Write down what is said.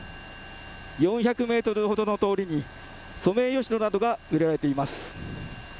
４００メートルほどの通りに、ソメイヨシノなどが植えられています。